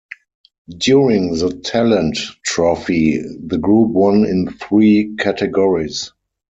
During the Talent Trophy, the group won in three categories.